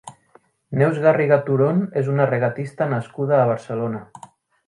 Neus Garriga Turón és una regatista nascuda a Barcelona.